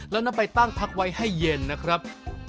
แล้วนำไปตั้งพักไว้ให้เย็นนะครับ